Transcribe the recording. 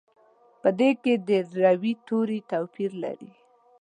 په دې کې د روي توري توپیر لري.